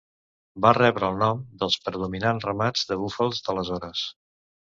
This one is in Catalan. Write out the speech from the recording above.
Va rebre el nom dels predominant ramats de búfals d'aleshores.